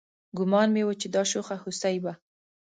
ګومان مې و چې دا شوخه هوسۍ به